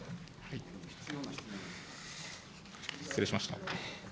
失礼しました。